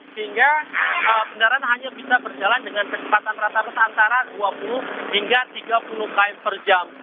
sehingga kendaraan hanya bisa berjalan dengan kecepatan rata rata antara dua puluh hingga tiga puluh km per jam